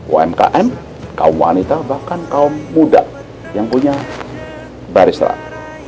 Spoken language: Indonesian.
umkm kaum wanita bahkan kaum muda yang punya baris lah